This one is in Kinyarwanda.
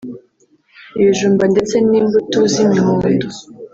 ibijumba ndetse n’imbuto z’imihondo